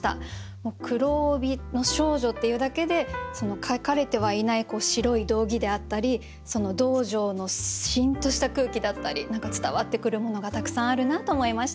もう「黒帯の少女」っていうだけで書かれてはいない白い道着であったり道場の「シン」とした空気だったり何か伝わってくるものがたくさんあるなと思いました。